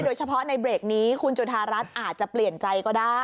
โดยเฉพาะในเบรกนี้คุณจุธารัฐอาจจะเปลี่ยนใจก็ได้